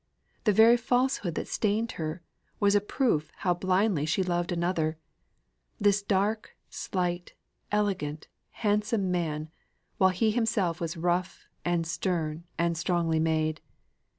The very falsehood that stained her, was a proof how blindly she loved another this dark, slight, elegant, handsome man while he himself was rough, and stern, and strongly made.